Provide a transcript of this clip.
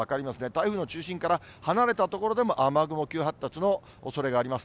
台風の中心から離れた所でも雨雲、急発達のおそれがあります。